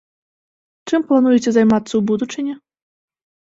Чым плануеце займацца ў будучыні?